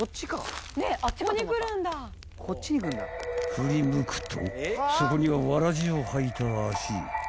・［振り向くとそこにはわらじを履いた足］